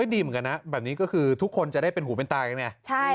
ดีเหมือนกันนะแบบนี้ก็คือทุกคนจะได้เป็นหูเป็นตากันไง